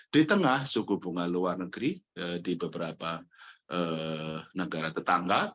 di tengah suku bunga luar negeri di beberapa negara tetangga